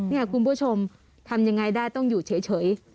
นี่คุณผู้ชมทำยังไงได้ต้องอยู่เฉย